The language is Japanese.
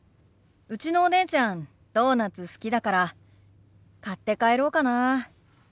うちのお姉ちゃんドーナツ好きだから買って帰ろうかな。